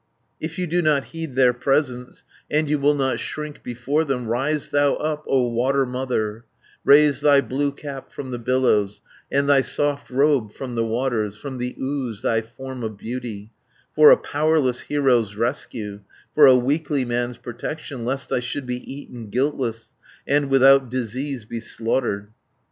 "If you do not heed their presence, And you will not shrink before them, 280 Rise thou up, O Water Mother, Raise thy blue cap from the billows, And thy soft robe from the waters, From the ooze thy form of beauty, For a powerless hero's rescue, For a weakly man's protection, Lest I should be eaten guiltless, And without disease be slaughtered.